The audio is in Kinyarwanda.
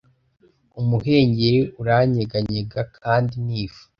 Umuhengeri uranyeganyega kandi ni ifu